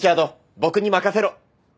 僕に任せろ。